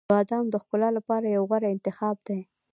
• بادام د ښکلا لپاره یو غوره انتخاب دی.